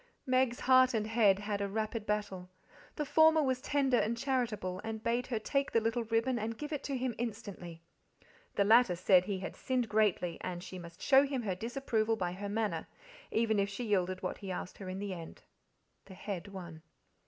Meg's heart and head had a rapid battle; the former was tender and charitable, and bade her take the little ribbon and give it to him instantly; the latter said he had sinned greatly, and she must show him her disapproval by her manner, even if she yielded what he asked her in the end. The head won.